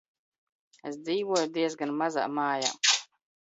Es dzīvoju diezgan mazā mājā.